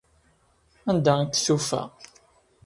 Anda i t-tufa?